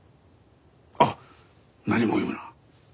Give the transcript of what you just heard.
あっ何も言うな。